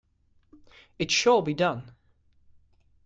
It shall be done!